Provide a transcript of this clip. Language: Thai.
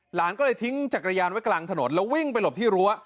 หลานก็เลยทิ้งจักรยานไว้กลางถนนแล้ววิ่งไปหลบที่รั้ว